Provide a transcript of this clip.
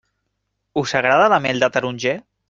Us agrada la mel de taronger?